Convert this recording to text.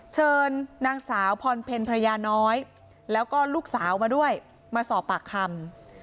เชิญนางสาวพรเพลภรรยาน้อยแล้วก็ลูกสาวมาด้วยมาสอบปากคำ